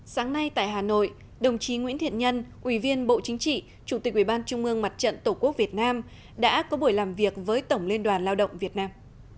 sáng nay tại hà nội đồng chí nguyễn thiện nhân ủy viên bộ chính trị chủ tịch ubnd tổ quốc việt nam đã có buổi làm việc với tổng liên đoàn lao động việt nam